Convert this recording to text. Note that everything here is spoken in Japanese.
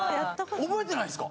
覚えてないんすか？